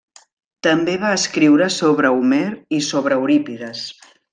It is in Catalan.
També va escriure sobre Homer i sobre Eurípides.